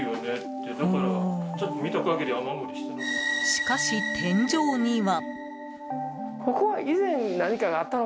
しかし、天井には。